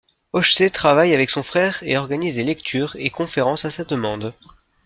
Ochsé travaille avec son frère et organise des lectures et conférences à sa demande.